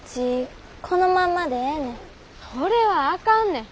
それはあかんねん。